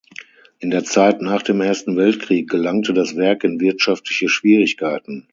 In der Zeit nach dem Ersten Weltkrieg gelangte das Werk in wirtschaftliche Schwierigkeiten.